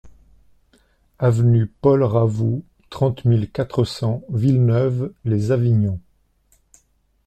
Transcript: Avenue Paul Ravoux, trente mille quatre cents Villeneuve-lès-Avignon